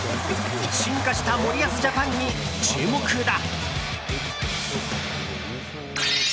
進化した森保ジャパンに注目だ。